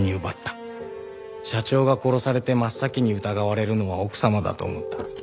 社長が殺されて真っ先に疑われるのは奥様だと思った。